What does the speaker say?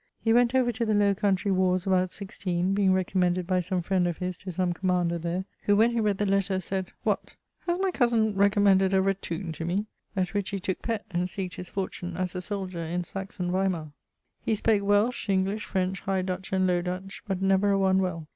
He went over to the Lowe Countrie warres about 16, being recommended by some friend of his to some commander there, who, when he read the letter, sayd, 'What! has my cosen ... recommended a rattoon to me?' at which he tooke pett, and seek't his fortune (as a soldier) in Saxon Weymar. He spake Welch, English, French, High Dutch, and Lowe Dutch, but never a one well.